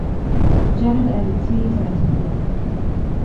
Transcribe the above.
Jared alitii taratibu hizo